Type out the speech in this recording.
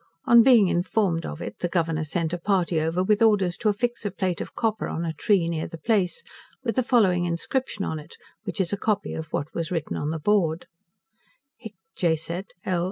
On being informed of it, the Governor sent a party over with orders to affix a plate of copper on a tree near the place, with the following inscription on it, which is a copy of what was written on the board: Hic jacet L.